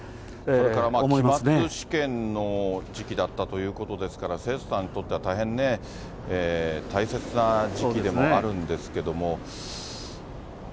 それから期末試験の時期だったということですから、生徒さんたちにとっては大変ね、大切な時期でもあるんですけども。